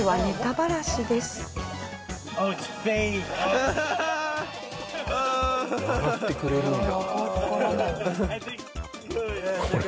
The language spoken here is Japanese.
笑ってくれるんだ。